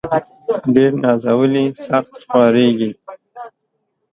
ډير نازولي ، سخت خوارېږي.